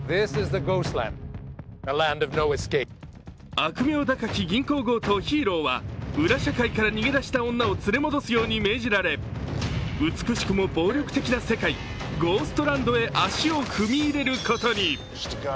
悪名高き銀行強盗、ヒーローは裏社会から逃げ出した女を連れ戻すよう命じられ美しくも暴力的な世界、ゴーストランドへ足を踏み入れることに。